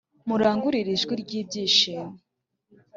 murangurure ijwi ry ibyishimo